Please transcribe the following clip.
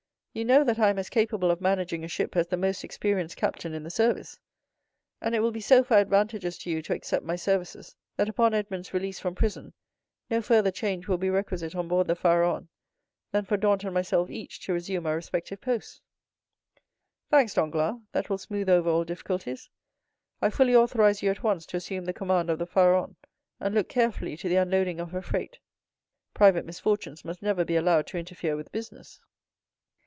"You know that I am as capable of managing a ship as the most experienced captain in the service; and it will be so far advantageous to you to accept my services, that upon Edmond's release from prison no further change will be requisite on board the Pharaon than for Dantès and myself each to resume our respective posts." "Thanks, Danglars—that will smooth over all difficulties. I fully authorize you at once to assume the command of the Pharaon, and look carefully to the unloading of her freight. Private misfortunes must never be allowed to interfere with business."